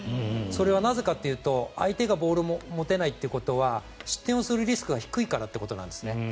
それはなぜかというと相手がボールを持てないということは失点をするリスクが低いからってことなんですね。